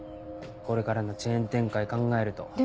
これからのチェーン展開考えると。